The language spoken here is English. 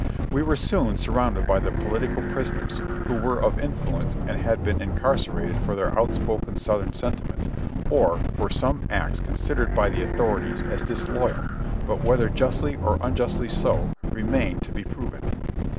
We were soon surrounded by the poHtical pris oners, who were of influence and had been incarcerated for "their outspoken Southern sentiments or for some acts considered by the authorities as disloyal, but whether justly or unjustly so, remained to be proven.